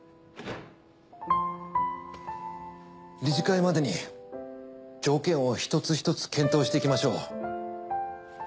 理事会までに条件を一つ一つ検討していきましょう。